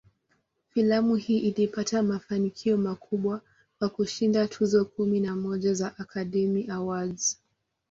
Filamu hii ilipata mafanikio makubwa, kwa kushinda tuzo kumi na moja za "Academy Awards".